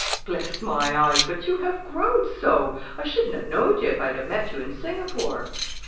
"Bless my eyes, but you have growed so. I shouldn't have knowed you if I had met you in Singapore!"